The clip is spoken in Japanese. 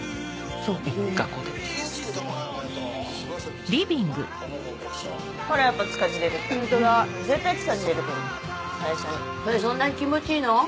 それそんなに気持ちいいの？